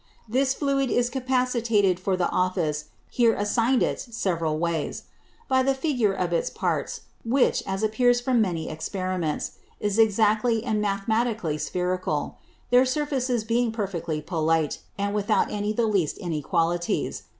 This Fluid is capacitated for the Office here assign'd it several ways: By the Figure of its Parts, which, as appears from many Experiments, is exactly and mathematically Spherical; their Surfaces being perfectly polite, and without any the least Inequalities.